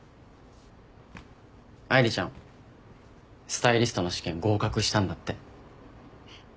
愛梨ちゃんスタイリストの試験合格したんだって。